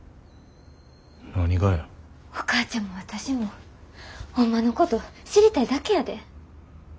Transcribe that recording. お母ちゃんも私もホンマのこと知りたいだけやで。